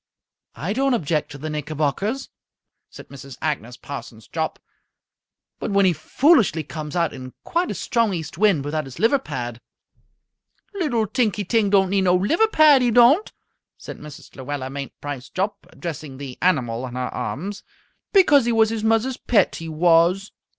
"I don't object to the knickerbockers," said Mrs. Agnes Parsons Jopp, "but when he foolishly comes out in quite a strong east wind without his liver pad " "Little Tinky Ting don't need no liver pad, he don't," said Mrs. Luella Mainprice Jopp, addressing the animal in her arms, "because he was his muzzer's pet, he was."